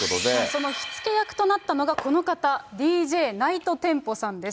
その火付け役となったのが、この方、ＤＪナイトテンポさんです。